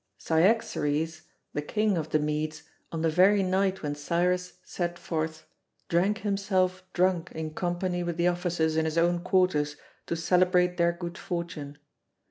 Cyaxares, the king of the Medes, on the very night when Cyrus set forth, drank himself drunk in company with the officers in his own quarters to celebrate their good fortune.